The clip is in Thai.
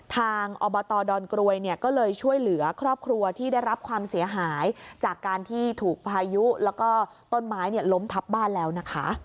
อบตดอนกรวยเนี่ยก็เลยช่วยเหลือครอบครัวที่ได้รับความเสียหายจากการที่ถูกพายุแล้วก็ต้นไม้ล้มทับบ้านแล้วนะคะ